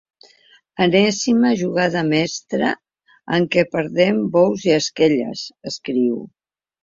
Enèsima jugada mestra en què perdem bous i esquelles, escriu.